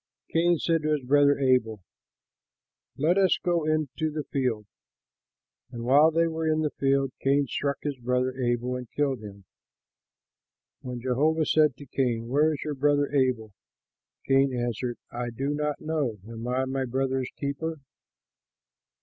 Cain said to his brother Abel, "Let us go into the field." And while they were in the field, Cain struck his brother Abel and killed him. When Jehovah said to Cain, "Where is your brother Abel?" Cain answered, "I do not know; am I my brother's keeper?"